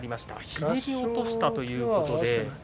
ひねり落としたということで。